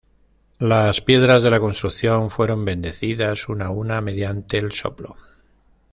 Las piedras de la construcción fueron bendecidas, una a una, mediante el soplo.